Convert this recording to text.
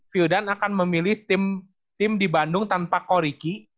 viudan akan memilih tim di bandung tanpa koriki